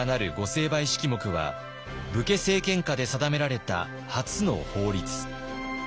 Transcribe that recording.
成敗式目は武家政権下で定められた初の法律。